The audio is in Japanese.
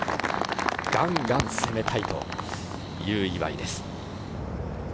ガンガン攻めたいという岩井です。